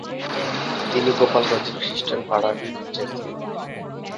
তিনি গোপালগঞ্জের খ্রিস্টান পাড়ায় গীর্জা স্থাপন করেন।